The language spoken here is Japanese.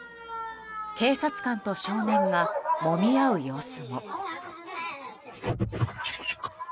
警察官と少年がもみ合う様子も。